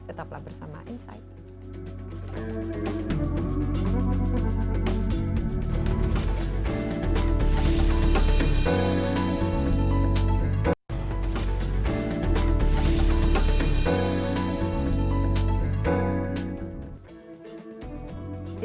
tetaplah bersama insight